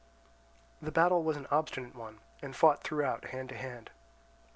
The battle was an obstinate one, and fought throughout hand to hand.